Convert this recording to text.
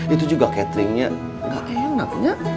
itu juga cateringnya gak enaknya